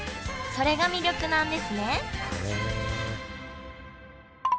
それが魅力なんですね